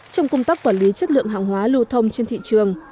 trong công tác quản lý chất lượng hàng hóa lưu thông trên thị trường